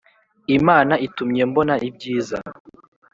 Imana itumye mbona ibyiza